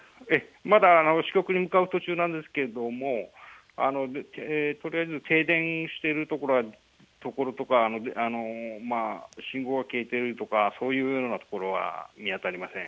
まだ支局に向かう途中なんですけれども、とりあえず停電しているところとか、信号が消えているとか、そういうようなところは見当たりません。